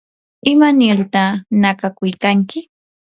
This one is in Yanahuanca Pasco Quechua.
¿imanirta nakakuykanki?